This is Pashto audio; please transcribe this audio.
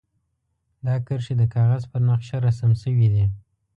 دا کرښې د کاغذ پر نقشه رسم شوي دي.